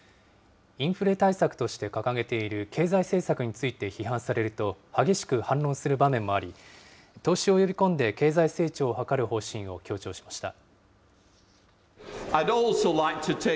インフレ対策として掲げている経済政策について批判されると、激しく反論する場面もあり、投資を呼び込んで経済成長を図る方針を強調しました。